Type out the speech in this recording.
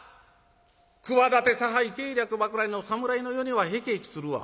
企て差配計略ばかりの侍の世にはへきえきするわ。